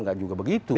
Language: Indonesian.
nggak juga begitu kan